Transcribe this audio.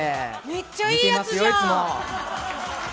めっちゃいいやつじゃん。